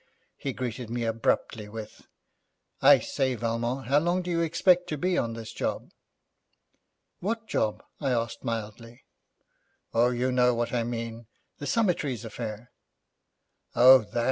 He greeted me abruptly with, 'I say, Valmont, how long do you expect to be on this job?' 'What job?' I asked mildly. 'Oh, you know what I mean: the Summertrees affair.' 'Oh, that!'